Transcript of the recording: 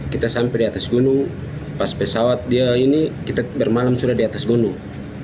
kita sampai di atas gunung pas pesawat dia ini kita bermalam sudah di atas gunung